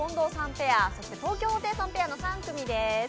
ペアそして東京ホテイソンペアの３組です。